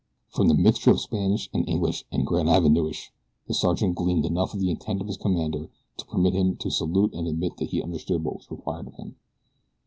From the mixture of Spanish and English and Granavenooish the sergeant gleaned enough of the intent of his commander to permit him to salute and admit that he understood what was required of him.